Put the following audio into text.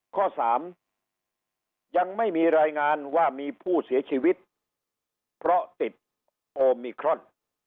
ข้อ๓ยังไม่มีรายงานว่ามีผู้เสียชีวิตเพราะติดโอมิครอน